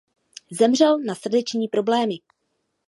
Zemřel na srdeční problémy.